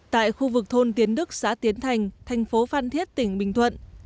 tại khu vực thôn tiến đức xã tiến thành thành phố phan thiết tỉnh bình thuận